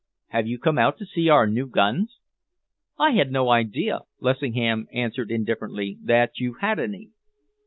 "Have you come out to see our new guns?" "I had no idea," Lessingham answered indifferently, "that you had any."